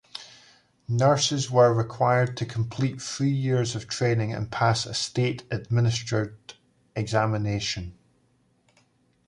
Nurses were required to complete three years of training and pass a state-administered examination.